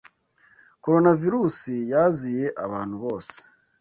Coronavirus yaziye abantu bose